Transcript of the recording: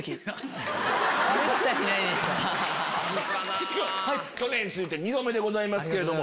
岸君去年に続いて２度目でございますけども。